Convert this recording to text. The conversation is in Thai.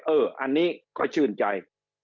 อันนี้ก็ชื่นใจ